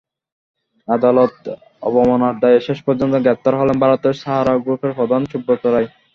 আদালত অবমাননার দায়ে শেষ পর্যন্ত গ্রেপ্তার হলেন ভারতের সাহারা গ্রুপের প্রধান সুব্রত রায়।